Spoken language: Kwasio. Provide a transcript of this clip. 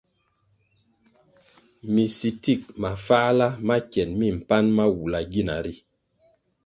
Minsitik mafáhla ma kien mi mpan ma wula gina ri.